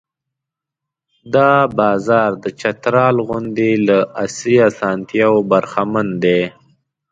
دا بازار د چترال غوندې له عصري اسانتیاوو برخمن دی.